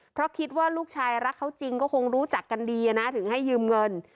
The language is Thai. เพราะคิดว่าลูกชายรักเขาจริงก็คงรู้จักกันดีนะถึงให้ยืมเงิน